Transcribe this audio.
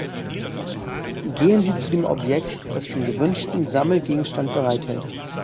Gehen Sie zu dem Objekt, das den gewünschten Sammelgegenstand bereithält.